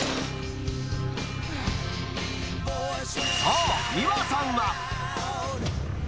そう、美和さんは。